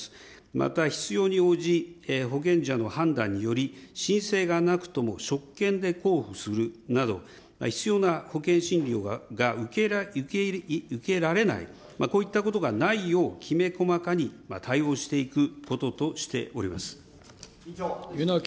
また必要に応じ、保険者の判断により、申請がなくとも職権で交付するなど、必要な保険診療が受けられない、こういったことがないようきめ細かに対応していくこととしております。